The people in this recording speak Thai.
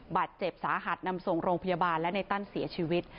บาดเจ็บสาหัสนำส่งโรงพยาบาลและในตั้นเสียชีวิต